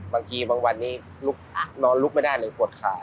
บางทีบางวันนี้นอนลุกไม่ได้เลยปวดขา